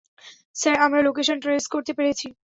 Sir, আমরা location trace করতে পেরেছি।